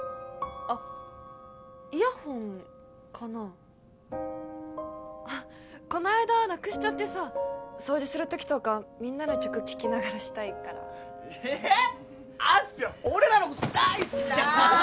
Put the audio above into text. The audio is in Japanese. あイヤホンかなあこの間なくしちゃってさ掃除する時とかみんなの曲聴きながらしたいからえあすぴょん俺らのこと大好きじゃーん！